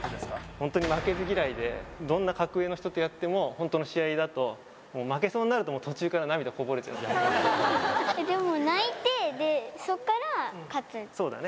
ホントに負けず嫌いでどんな格上の人とやってもホントの試合だと負けそうになると途中から涙こぼれちゃうそうだね